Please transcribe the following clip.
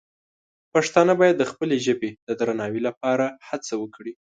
پښتانه باید د خپلې ژبې د درناوي لپاره هڅه وکړي.